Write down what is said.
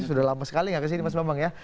sudah lama sekali nggak ke sini mas bambang ya